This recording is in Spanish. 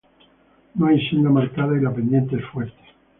No hay senda marcada y la pendiente es fuerte.